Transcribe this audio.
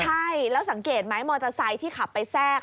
ใช่แล้วสังเกตไหมมอเตอร์ไซค์ที่ขับไปแทรก